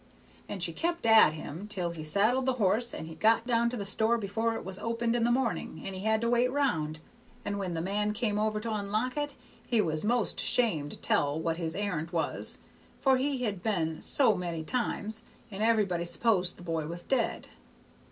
And she kept at him till he saddled the horse, and he got down to the store before it was opened in the morning, and he had to wait round, and when the man came over to unlock it he was 'most ashamed to tell what his errand was, for he had been so many times, and everybody supposed the boy was dead.